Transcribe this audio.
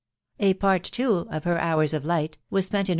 A part, too, of her hours of light* was spent in.